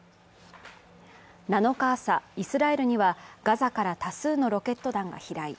７日朝、イスラエルにはガザから多数のロケット弾が飛来。